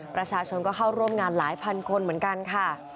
ประชาชนก็เข้าร่วมงานหลายพันคนเหมือนกันค่ะ